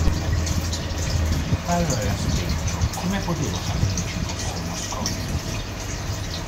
Il faro era spento, come potevo sapere ci fosse uno scoglio?